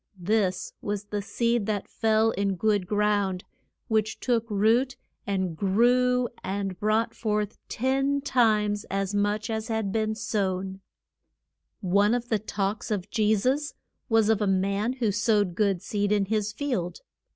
This was the seed that fell in good ground, which took root and grew and brought forth ten times as much as had been sown. [Illustration: THE EN E MY SOW ING TARES.] One of the talks of Je sus was of a man who sowed good seed in his field.